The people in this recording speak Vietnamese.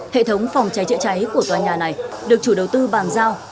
hệ thống phòng cháy chữa cháy của tòa nhà này được chủ đầu tư bàn giao và sau đó